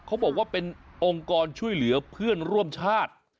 เขาบอกว่าเป็นองค์กรช่วยเหลือเพื่อนร่วมชาติ